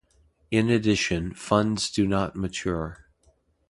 In addition, funds do not mature.